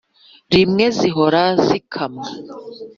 rimwe (zihora zikamwa